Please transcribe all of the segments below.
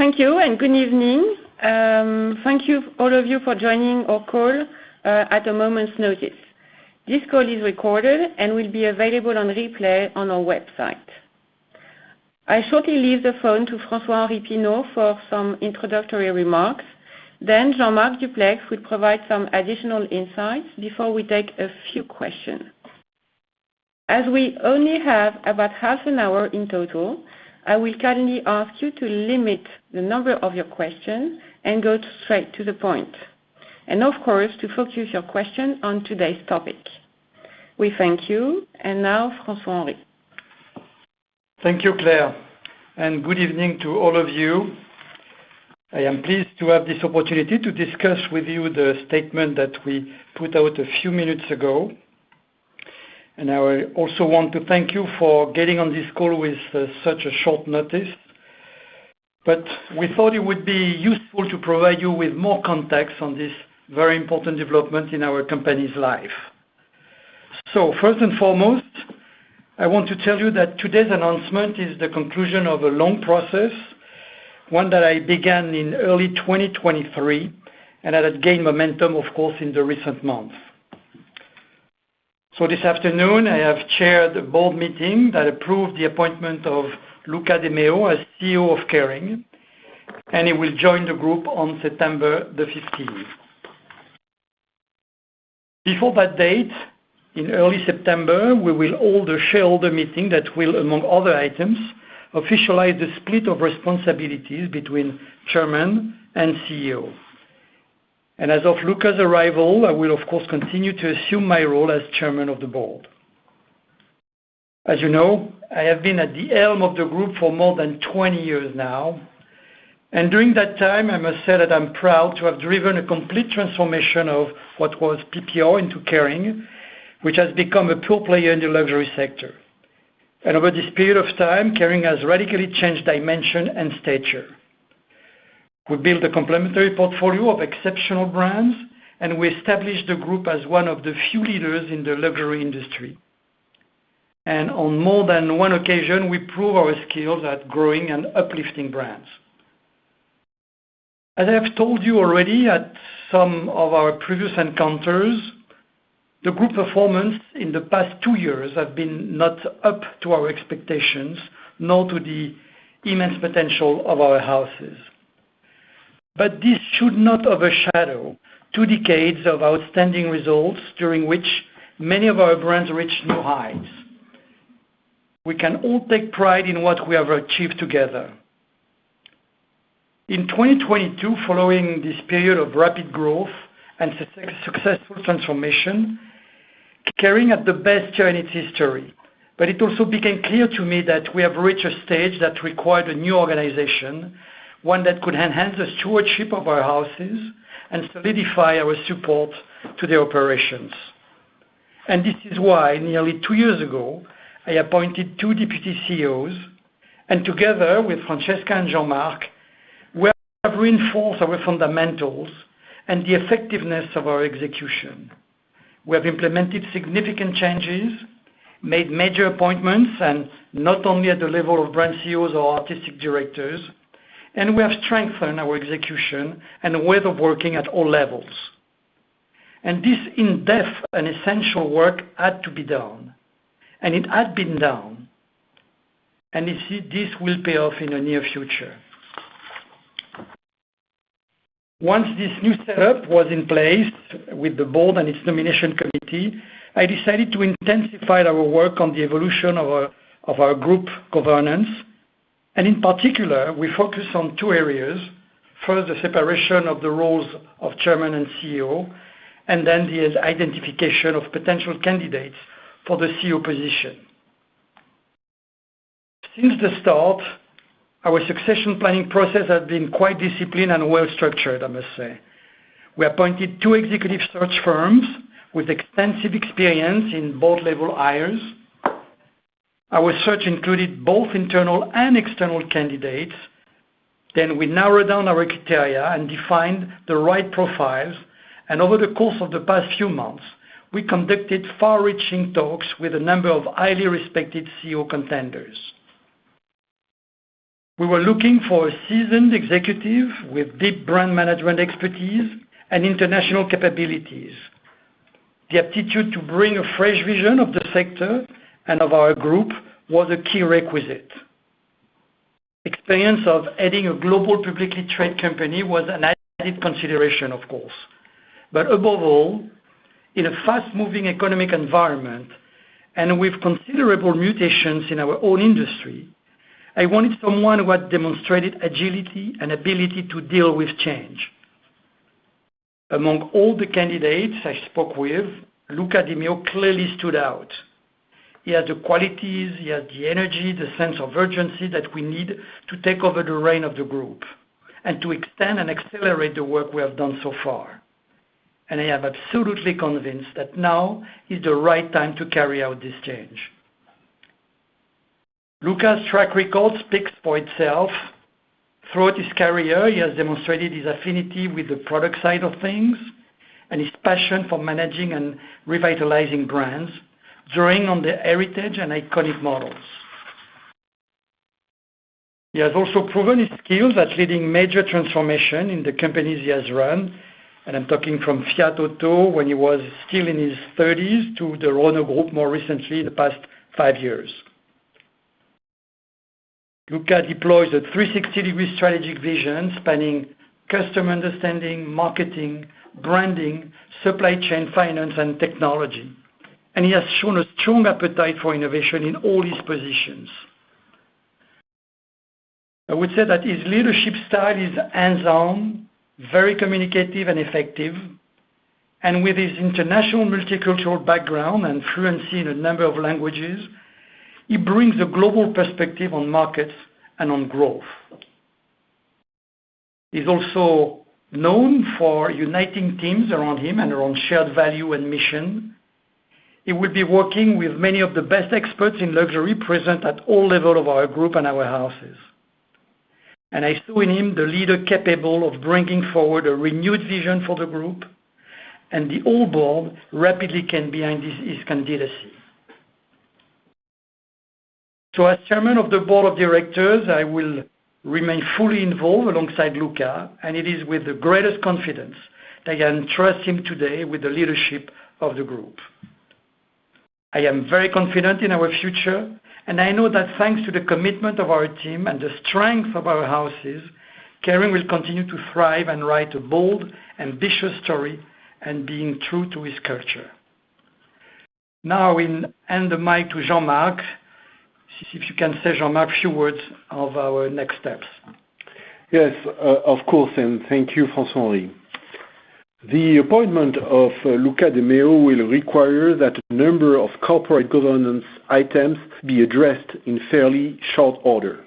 Thank you and good evening. Thank you, all of you, for joining our call at a moment's notice. This call is recorded and will be available on replay on our website. I will shortly leave the phone to François-Henri Pinault for some introductory remarks. Jean-Marc Duplaix will provide some additional insights before we take a few questions. As we only have about half an hour in total, I will kindly ask you to limit the number of your questions and go straight to the point. Of course, please focus your question on today's topic. We thank you. Now, François-Henri. Thank you, Claire. Good evening to all of you. I am pleased to have this opportunity to discuss with you the statement that we put out a few minutes ago. I also want to thank you for getting on this call with such short notice. We thought it would be useful to provide you with more context on this very important development in our company's life. First and foremost, I want to tell you that today's announcement is the conclusion of a long process, one that I began in early 2023 and that had gained momentum, of course, in the recent months. This afternoon, I have chaired a board meeting that approved the appointment of Luca de Meo as CEO of Kering. He will join the group on September 15. Before that date, in early September, we will hold a shareholder meeting that will, among other items, officialize the split of responsibilities between Chairman and CEO. As of Luca's arrival, I will, of course, continue to assume my role as Chairman of the board. As you know, I have been at the helm of the group for more than 20 years now. During that time, I must say that I'm proud to have driven a complete transformation of what was PPO into Kering, which has become a pure player in the luxury sector. Over this period of time, Kering has radically changed dimension and stature. We built a complementary portfolio of exceptional brands, and we established the group as one of the few leaders in the luxury industry. On more than one occasion, we proved our skills at growing and uplifting brands. As I have told you already at some of our previous encounters, the group performance in the past two years has been not up to our expectations, nor to the immense potential of our houses. This should not overshadow two decades of outstanding results, during which many of our brands reached new heights. We can all take pride in what we have achieved together. In 2022, following this period of rapid growth and successful transformation, Kering had the best year in its history. It also became clear to me that we have reached a stage that required a new organization, one that could enhance the stewardship of our houses and solidify our support to their operations. This is why, nearly two years ago, I appointed two deputy CEOs. Together with Francesca and Jean-Marc, we have reinforced our fundamentals and the effectiveness of our execution. We have implemented significant changes, made major appointments, and not only at the level of brand CEOs or artistic Directors. We have strengthened our execution and way of working at all levels. This in-depth and essential work had to be done. It had been done. This will pay off in the near future. Once this new setup was in place with the board and its nomination committee, I decided to intensify our work on the evolution of our group governance. In particular, we focused on two areas. First, the separation of the roles of Chairman and CEO, and then the identification of potential candidates for the CEO position. Since the start, our succession planning process has been quite disciplined and well-structured, I must say. We appointed two executive search firms with extensive experience in board-level hires. Our search included both internal and external candidates. We narrowed down our criteria and defined the right profiles. Over the course of the past few months, we conducted far-reaching talks with a number of highly respected CEO contenders. We were looking for a seasoned executive with deep brand management expertise and international capabilities. The aptitude to bring a fresh vision of the sector and of our group was a key requisite. Experience of heading a global publicly traded company was an added consideration, of course. Above all, in a fast-moving economic environment and with considerable mutations in our own industry, I wanted someone who had demonstrated agility and ability to deal with change. Among all the candidates I spoke with, Luca de Meo clearly stood out. He has the qualities, he has the energy, the sense of urgency that we need to take over the reins of the group and to extend and accelerate the work we have done so far. I am absolutely convinced that now is the right time to carry out this change. Luca's track record speaks for itself. Throughout his career, he has demonstrated his affinity with the product side of things and his passion for managing and revitalizing brands, drawing on the heritage and iconic models. He has also proven his skills at leading major transformations in the companies he has run, and I'm talking from Fiat when he was still in his 30s to the Renault Group more recently in the past five years. Luca deploys a 360-degree strategic vision spanning customer understanding, marketing, branding, supply chain, finance, and technology. He has shown a strong appetite for innovation in all these positions. I would say that his leadership style is hands-on, very communicative, and effective. With his international multicultural background and fluency in a number of languages, he brings a global perspective on markets and on growth. He is also known for uniting teams around him and around shared value and mission. He will be working with many of the best experts in luxury present at all levels of our group and our houses. I saw in him the leader capable of bringing forward a renewed vision for the group, and the whole board rapidly came behind his candidacy. As Chairman of the Board of Directors, I will remain fully involved alongside Luca, and it is with the greatest confidence that I can trust him today with the leadership of the group. I am very confident in our future, and I know that thanks to the commitment of our team and the strength of our houses, Kering will continue to thrive and write a bold, ambitious story and being true to its culture. Now, we'll hand the mic to Jean-Marc, see if you can say, Jean-Marc, a few words of our next steps. Yes, of course, and thank you, François-Henri. The appointment of Luca de Meo will require that a number of corporate governance items be addressed in fairly short order.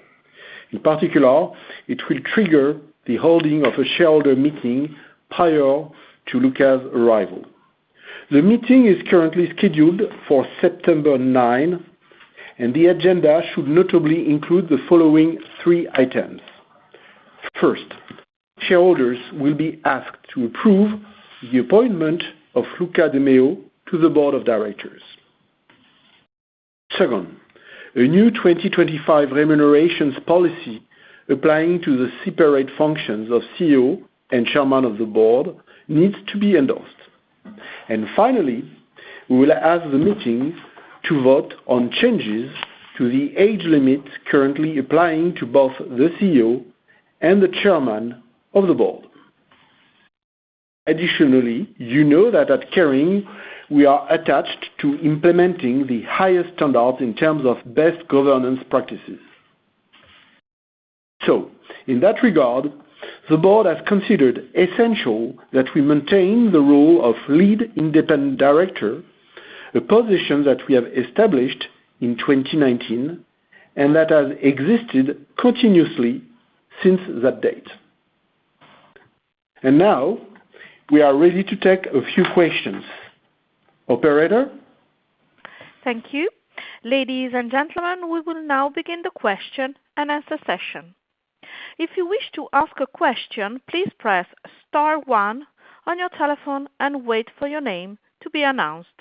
In particular, it will trigger the holding of a shareholder meeting prior to Luca's arrival. The meeting is currently scheduled for September 9, and the agenda should notably include the following three items. First, shareholders will be asked to approve the appointment of Luca de Meo to the Board of Directors. Second, a new 2025 remunerations policy applying to the separate functions of CEO and Chairman of the Board needs to be endorsed. And finally, we will ask the meeting to vote on changes to the age limit currently applying to both the CEO and the Chairman of the Board. Additionally, you know that at Kering, we are attached to implementing the highest standards in terms of best governance practices. In that regard, the board has considered essential that we maintain the role of lead independent director, a position that we have established in 2019 and that has existed continuously since that date. And now, we are ready to take a few questions. Operator? Thank you. Ladies and gentlemen, we will now begin the question and answer session. If you wish to ask a question, please press star one on your telephone and wait for your name to be announced.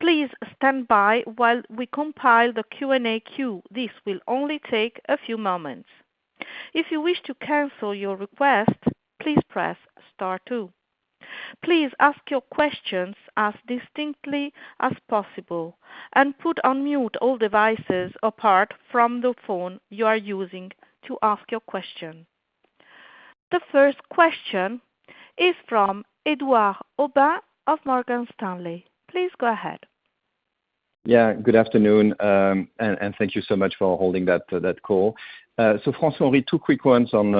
Please stand by while we compile the Q&A queue. This will only take a few moments. If you wish to cancel your request, please press star two. Please ask your questions as distinctly as possible and put on mute all devices apart from the phone you are using to ask your question. The first question is from Édouard Aubin of Morgan Stanley. Please go ahead. Yeah, good afternoon, and thank you so much for holding that call. François-Henri, two quick ones on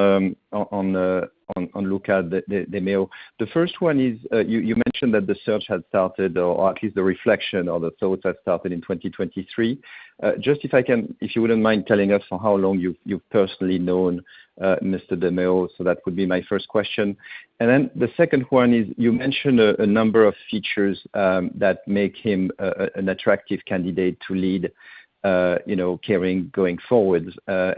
Luca de Meo. The first one is you mentioned that the search had started, or at least the reflection or the thoughts had started in 2023. If I can, if you would not mind telling us for how long you have personally known Mr. de Meo, that would be my first question. The second one is you mentioned a number of features that make him an attractive candidate to lead Kering going forward.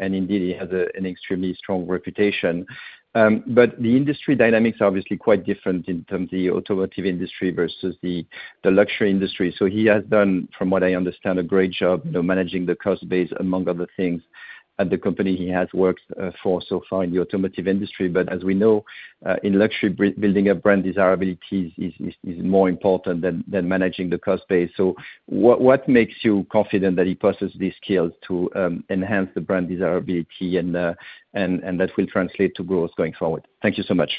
Indeed, he has an extremely strong reputation. The industry dynamics are obviously quite different in terms of the automotive industry versus the luxury industry. He has done, from what I understand, a great job managing the cost base, among other things, at the company he has worked for so far in the automotive industry. As we know, in luxury, building a brand desirability is more important than managing the cost base. So what makes you confident that he possesses these skills to enhance the brand desirability and that will translate to growth going forward? Thank you so much.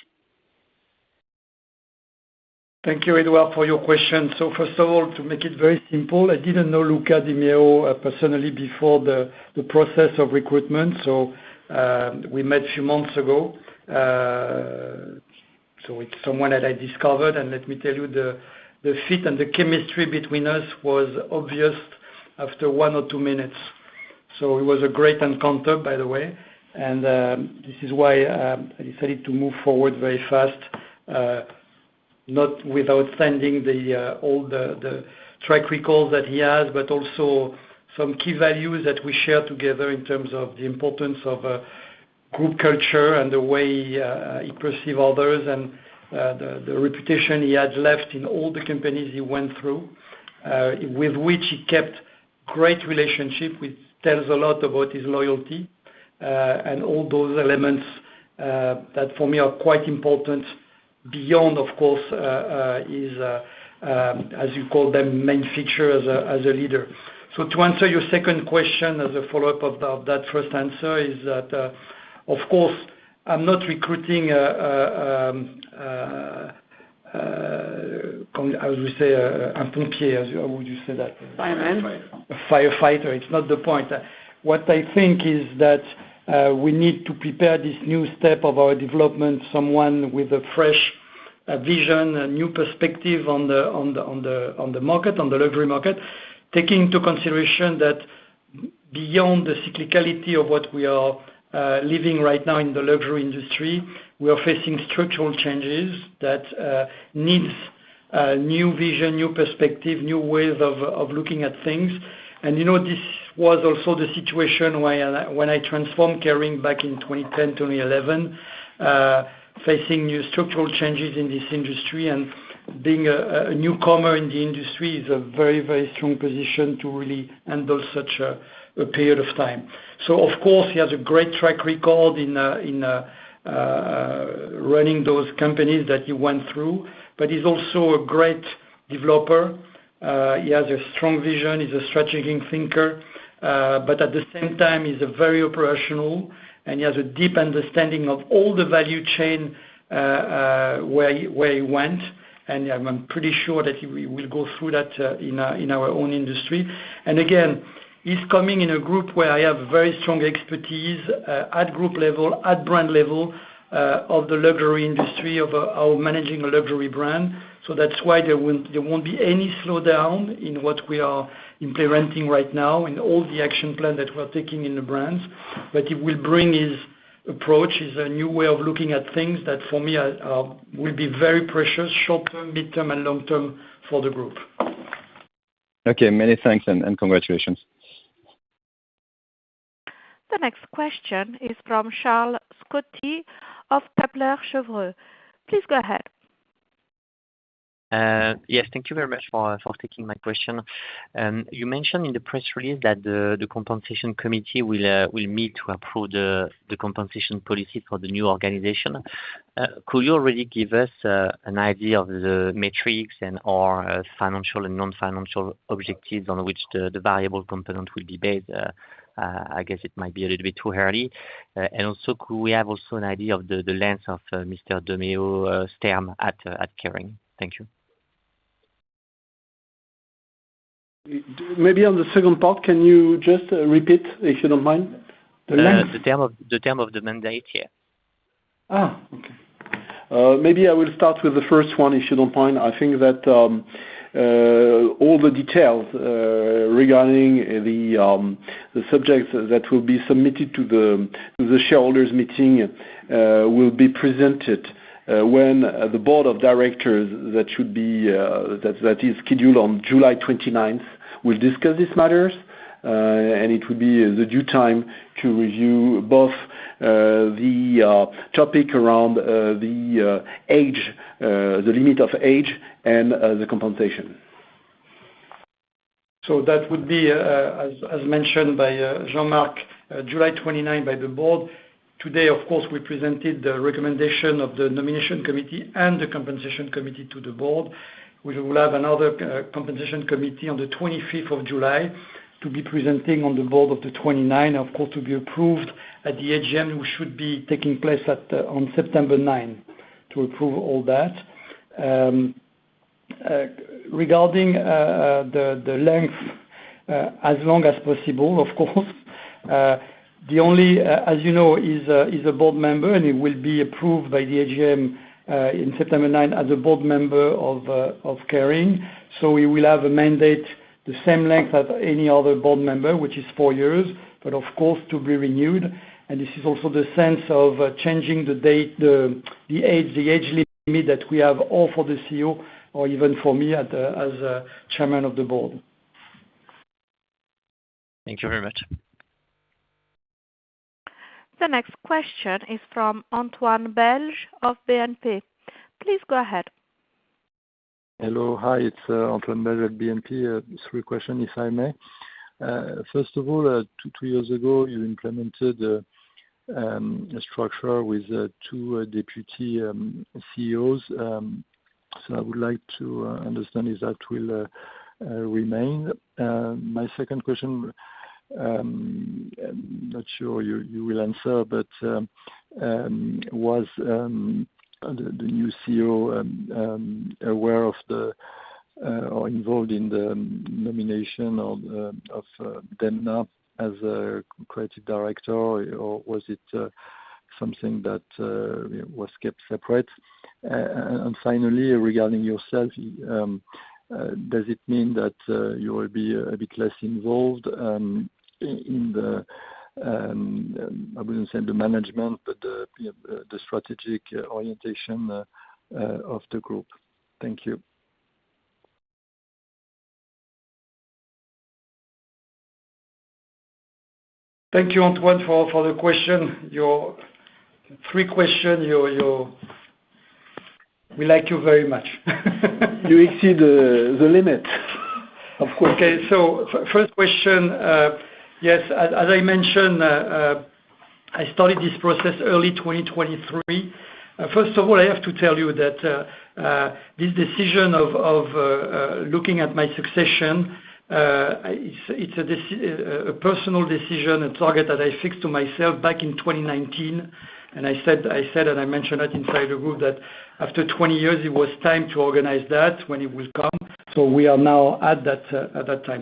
Thank you, Édouard, for your question. First of all, to make it very simple, I did not know Luca de Meo personally before the process of recruitment. We met a few months ago. It is someone that I discovered. Let me tell you, the fit and the chemistry between us was obvious after one or two minutes. It was a great encounter, by the way. This is why I decided to move forward very fast, not without sending all the track records that he has, but also some key values that we share together in terms of the importance of group culture and the way he perceives others and the reputation he has left in all the companies he went through, with which he kept a great relationship, which tells a lot about his loyalty and all those elements that, for me, are quite important beyond, of course, his, as you call them, main features as a leader. To answer your second question as a follow-up of that first answer is that, of course, I'm not recruiting, as we say, a pompier. How would you say that? Fireman. Firefighter. It's not the point. What I think is that we need to prepare this new step of our development, someone with a fresh vision, a new perspective on the market, on the luxury market, taking into consideration that beyond the cyclicality of what we are living right now in the luxury industry, we are facing structural changes that need new vision, new perspective, new ways of looking at things. This was also the situation when I transformed Kering back in 2010, 2011, facing new structural changes in this industry. Being a newcomer in the industry is a very, very strong position to really handle such a period of time. Of course, he has a great track record in running those companies that he went through. He is also a great developer. He has a strong vision. He is a strategic thinker. At the same time, he's very operational, and he has a deep understanding of all the value chain where he went. I'm pretty sure that we will go through that in our own industry. Again, he's coming in a group where I have very strong expertise at group level, at brand level of the luxury industry, of managing a luxury brand. That's why there won't be any slowdown in what we are implementing right now in all the action plans that we are taking in the brands. He will bring his approach, his new way of looking at things that, for me, will be very precious short-term, midterm, and long-term for the group. Okay, many thanks and congratulations. The next question is from [Charles Scutti] of [Tableur Chevreux]. Please go ahead. Yes, thank you very much for taking my question. You mentioned in the press release that the compensation committee will meet to approve the compensation policies for the new organization. Could you already give us an idea of the metrics and/or financial and non-financial objectives on which the variable component will be based? I guess it might be a little bit too early. We have also an idea of the length of Mr. de Meo's term at Kering. Thank you. Maybe on the second part, can you just repeat, if you don't mind, the length? The term of the mandate, yes. Okay. Maybe I will start with the first one, if you don't mind. I think that all the details regarding the subjects that will be submitted to the shareholders' meeting will be presented when the Board of Directors that is scheduled on July 29 will discuss these matters. It will be the due time to review both the topic around the age, the limit of age, and the compensation. That would be, as mentioned by Jean-Marc Duplaix, July 29 by the board. Today, of course, we presented the recommendation of the nomination committee and the compensation committee to the board. We will have another compensation committee on the 25th of July to be presenting on the board of the 29, of course, to be approved at the AGM, which should be taking place on September 9 to approve all that. Regarding the length, as long as possible, of course. The only, as you know, he's a board member, and he will be approved by the AGM in September 9 as a board member of Kering. So we will have a mandate the same length as any other board member, which is four years, but of course, to be renewed. And this is also the sense of changing the date, the age, the age limit that we have all for the CEO, or even for me as Chairman of the board. Thank you very much. The next question is from Antoine [Belge] of BNP. Please go ahead. Hello, hi. It's Antoine [Belge] at BNP. Three questions, if I may. First of all, two years ago, you implemented a structure with two Deputy CEOs. I would like to understand if that will remain. My second question, I'm not sure you will answer, but was the new CEO aware of or involved in the nomination of Demna as a Creative Director, or was it something that was kept separate? Finally, regarding yourself, does it mean that you will be a bit less involved in the, I wouldn't say the management, but the strategic orientation of the group? Thank you. Thank you, Antoine, for the question. Three questions. We like you very much. You exceed the limit, of course. Okay. First question, yes, as I mentioned, I started this process early 2023. First of all, I have to tell you that this decision of looking at my succession, it's a personal decision, a target that I fixed to myself back in 2019. I said, and I mentioned that inside the group, that after 20 years, it was time to organize that when it will come. We are now at that time.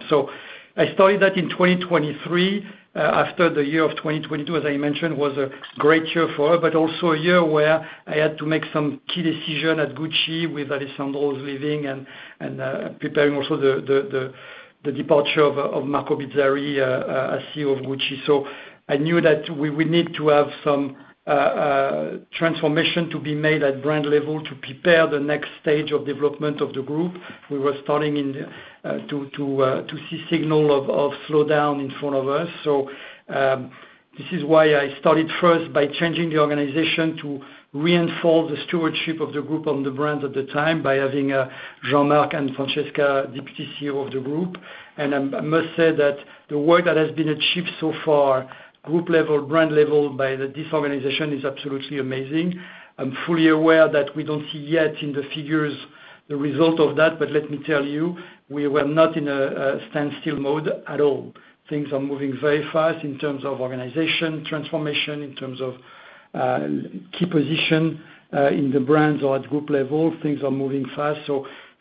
I started that in 2023. After the year of 2022, as I mentioned, was a great year for her, but also a year where I had to make some key decisions at Gucci with Alessandro's leaving and preparing also the departure of Marco Bizzarri as CEO of Gucci. I knew that we would need to have some transformation to be made at brand level to prepare the next stage of development of the group. We were starting to see signals of slowdown in front of us. This is why I started first by changing the organization to reinforce the stewardship of the group on the brand at the time by having Jean-Marc and Francesca Deputy CEO of the group. I must say that the work that has been achieved so far, group level, brand level by this organization, is absolutely amazing. I'm fully aware that we don't see yet in the figures the result of that, but let me tell you, we were not in a standstill mode at all. Things are moving very fast in terms of organization transformation, in terms of key position in the brands or at group level. Things are moving fast.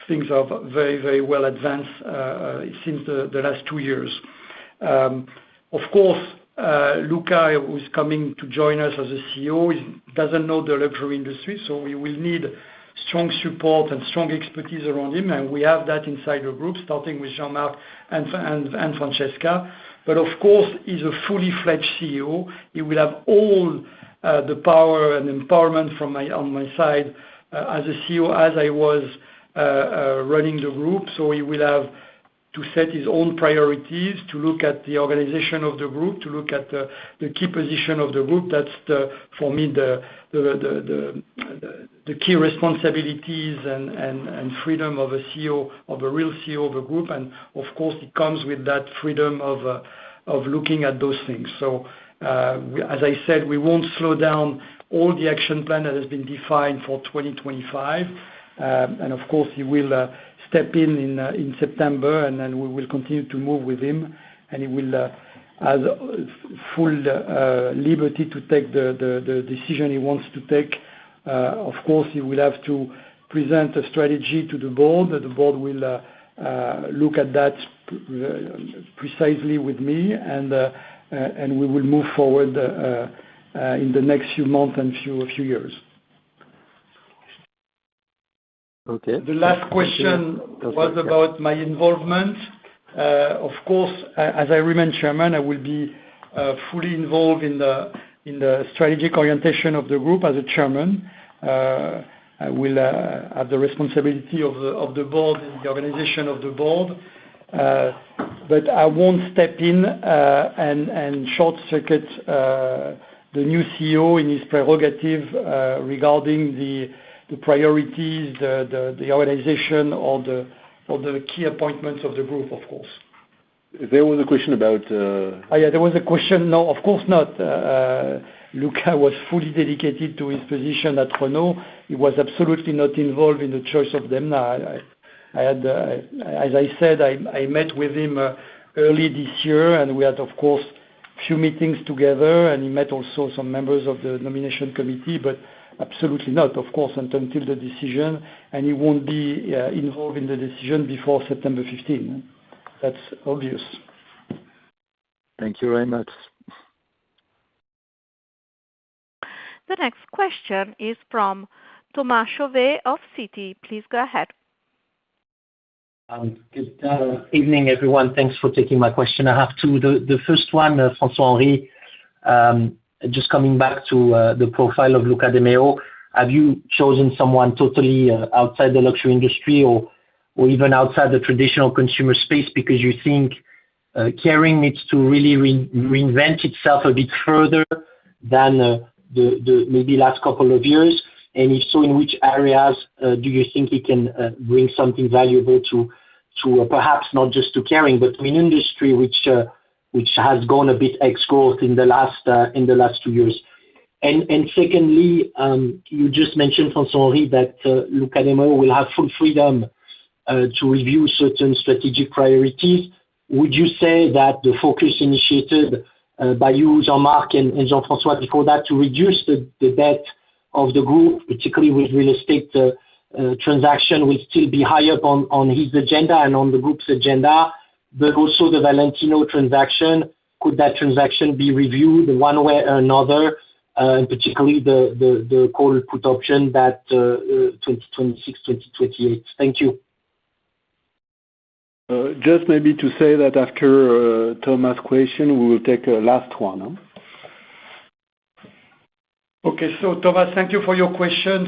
Things are very, very well advanced since the last two years. Of course, Luca, who is coming to join us as CEO, does not know the luxury industry. We will need strong support and strong expertise around him. We have that inside the group, starting with Jean-Marc and Francesca. He is a fully-fledged CEO. He will have all the power and empowerment on my side as CEO, as I was running the group. He will have to set his own priorities, to look at the organization of the group, to look at the key position of the group. That is, for me, the key responsibilities and freedom of a CEO, of a real CEO of a group. It comes with that freedom of looking at those things. As I said, we won't slow down all the action plan that has been defined for 2025. Of course, he will step in in September, and then we will continue to move with him. He will have full liberty to take the decision he wants to take. Of course, he will have to present a strategy to the board. The board will look at that precisely with me. We will move forward in the next few months and few years. Okay. The last question was about my involvement. Of course, as I remain Chairman, I will be fully involved in the strategic orientation of the group as a Chairman. I will have the responsibility of the board and the organization of the board. I won't step in and short-circuit the new CEO in his prerogative regarding the priorities, the organization, or the key appointments of the group, of course. There was a question about. Oh, yeah, there was a question. No, of course not. Luca was fully dedicated to his position at Renault. He was absolutely not involved in the choice of Demna. As I said, I met with him early this year, and we had, of course, a few meetings together. He met also some members of the nomination committee, but absolutely not, of course, until the decision. He won't be involved in the decision before September 15. That's obvious. Thank you very much. The next question is from Thomas Chauvet of Citi. Please go ahead. Good evening, everyone. Thanks for taking my question. I have two. The first one, François-Henri, just coming back to the profile of Luca de Meo, have you chosen someone totally outside the luxury industry or even outside the traditional consumer space because you think Kering needs to really reinvent itself a bit further than maybe the last couple of years? If so, in which areas do you think he can bring something valuable to, perhaps not just to Kering, but to an industry which has gone a bit ex-growth in the last two years? Secondly, you just mentioned, François-Henri, that Luca de Meo will have full freedom to review certain strategic priorities. Would you say that the focus initiated by you, Jean-Marc, and Jean-François before that to reduce the debt of the group, particularly with real estate transactions, will still be high up on his agenda and on the group's agenda? Also, the Valentino transaction, could that transaction be reviewed one way or another, particularly the call put option that 2026, 2028? Thank you. Just maybe to say that after Thomas' question, we will take the last one. Okay. Thomas, thank you for your question.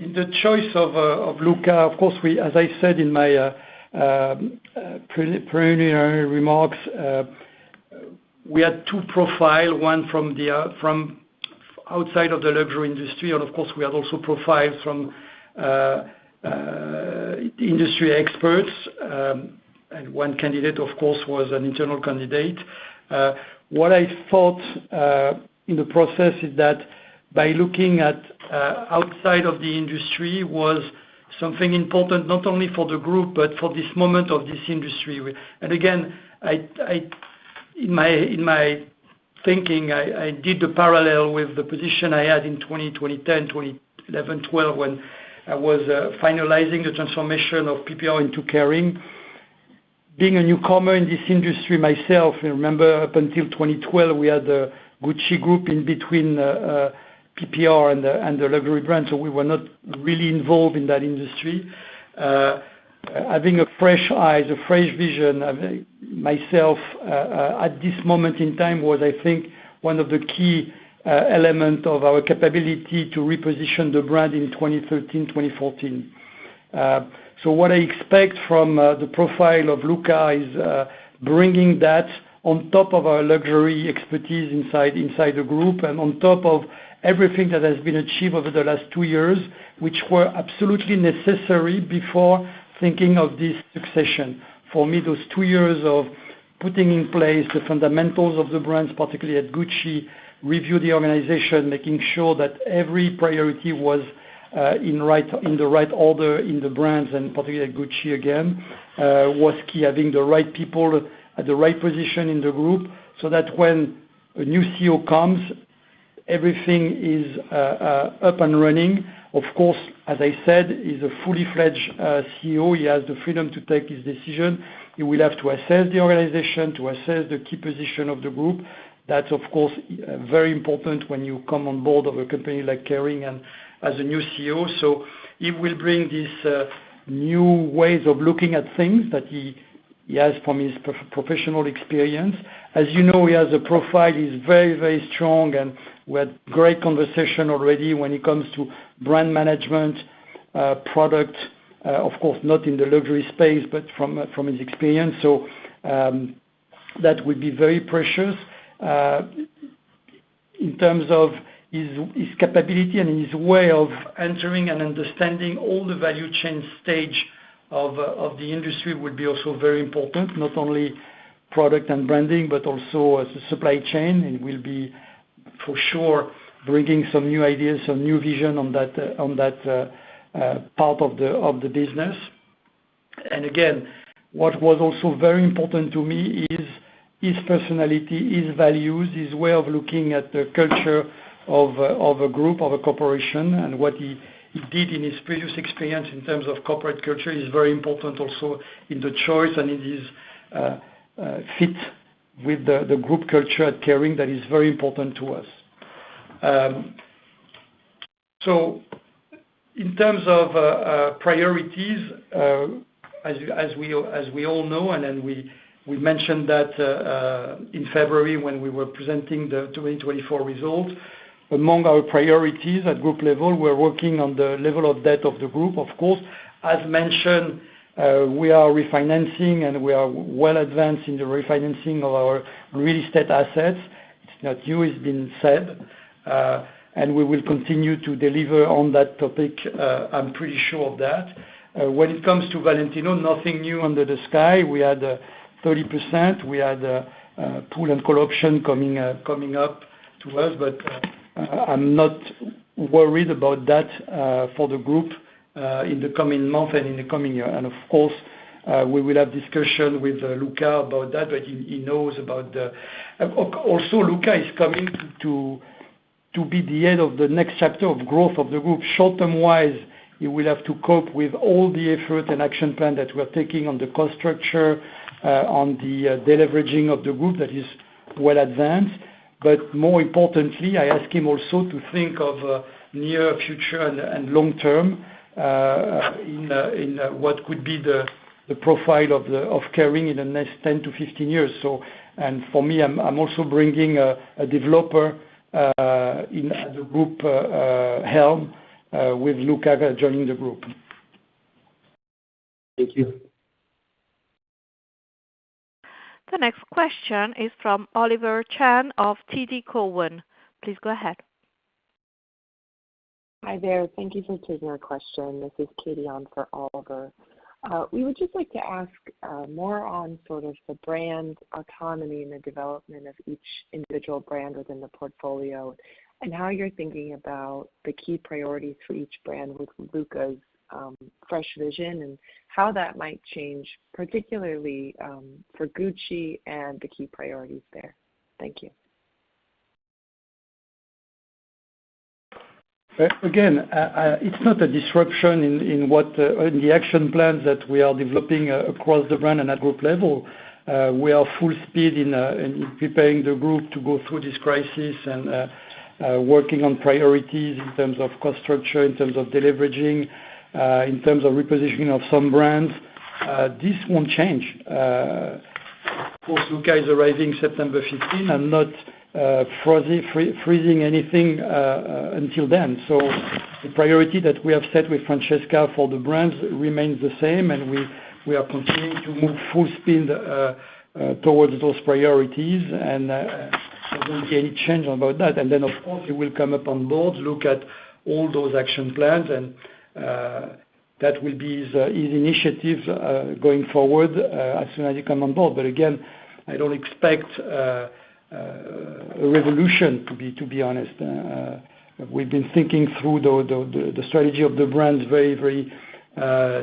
In the choice of Luca, of course, as I said in my preliminary remarks, we had two profiles, one from outside of the luxury industry. Of course, we had also profiles from industry experts. One candidate, of course, was an internal candidate. What I thought in the process is that by looking at outside of the industry was something important not only for the group, but for this moment of this industry. Again, in my thinking, I did the parallel with the position I had in 2010, 2011, 2012, when I was finalizing the transformation of PPR into Kering. Being a newcomer in this industry myself, I remember up until 2012, we had the Gucci group in between PPR and the luxury brands. We were not really involved in that industry. Having a fresh eye, a fresh vision myself at this moment in time was, I think, one of the key elements of our capability to reposition the brand in 2013, 2014. What I expect from the profile of Luca is bringing that on top of our luxury expertise inside the group and on top of everything that has been achieved over the last two years, which were absolutely necessary before thinking of this succession. For me, those two years of putting in place the fundamentals of the brands, particularly at Gucci, review the organization, making sure that every priority was in the right order in the brands, and particularly at Gucci again, was key. Having the right people at the right position in the group so that when a new CEO comes, everything is up and running. Of course, as I said, he's a fully-fledged CEO. He has the freedom to take his decision. He will have to assess the organization, to assess the key position of the group. That is, of course, very important when you come on board of a company like Kering as a new CEO. He will bring these new ways of looking at things that he has from his professional experience. As you know, he has a profile that is very, very strong. We had great conversation already when it comes to brand management, product, of course, not in the luxury space, but from his experience. That will be very precious. In terms of his capability and his way of entering and understanding all the value chain stage of the industry will be also very important, not only product and branding, but also as a supply chain. He will be, for sure, bringing some new ideas, some new vision on that part of the business. Again, what was also very important to me is his personality, his values, his way of looking at the culture of a group, of a corporation. What he did in his previous experience in terms of corporate culture is very important also in the choice and in his fit with the group culture at Kering. That is very important to us. In terms of priorities, as we all know, and then we mentioned that in February when we were presenting the 2024 results, among our priorities at group level, we are working on the level of debt of the group, of course. As mentioned, we are refinancing, and we are well advanced in the refinancing of our real estate assets. It is not new, it has been said. We will continue to deliver on that topic. I'm pretty sure of that. When it comes to Valentino, nothing new under the sky. We had 30%. We had pool and co-option coming up to us, but I'm not worried about that for the group in the coming month and in the coming year. Of course, we will have discussion with Luca about that, but he knows about the also, Luca is coming to be the head of the next chapter of growth of the group. Short-term-wise, he will have to cope with all the effort and action plan that we are taking on the cost structure, on the deleveraging of the group that is well advanced. More importantly, I ask him also to think of near future and long term in what could be the profile of Kering in the next 10 years -15 years. For me, I'm also bringing a developer in the group, Helm, with Luca joining the group. Thank you. The next question is from Oliver Chan of TD Cowen. Please go ahead. Hi there. Thank you for taking our question. This is Katie on for Oliver. We would just like to ask more on sort of the brand autonomy and the development of each individual brand within the portfolio and how you're thinking about the key priorities for each brand with Luca's fresh vision and how that might change, particularly for Gucci and the key priorities there. Thank you. Again, it's not a disruption in the action plans that we are developing across the brand and at group level. We are full speed in preparing the group to go through this crisis and working on priorities in terms of cost structure, in terms of deleveraging, in terms of repositioning of some brands. This will not change. Of course, Luca is arriving September 15 and not freezing anything until then. The priority that we have set with Francesca for the brands remains the same. We are continuing to move full speed towards those priorities. There will not be any change about that. Of course, he will come up on board, look at all those action plans. That will be his initiative going forward as soon as he comes on board. Again, I do not expect a revolution, to be honest. We've been thinking through the strategy of the brands very, very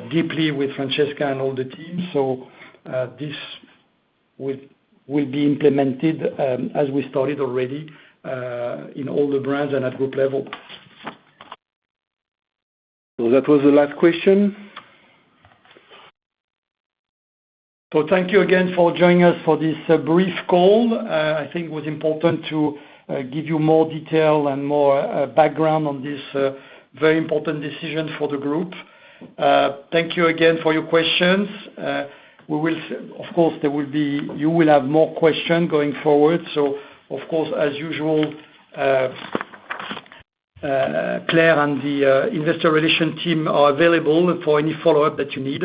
deeply with Francesca and all the teams. This will be implemented as we started already in all the brands and at group level. That was the last question. Thank you again for joining us for this brief call. I think it was important to give you more detail and more background on this very important decision for the group. Thank you again for your questions. Of course, you will have more questions going forward. As usual, Claire and the investor relation team are available for any follow-up that you need.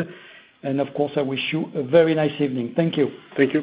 I wish you a very nice evening. Thank you. Thank you.